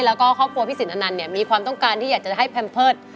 แล้วก็ครอบครัวพี่สินอนันต์เนี่ยมีความต้องการที่อยากจะให้แพมเพิร์ต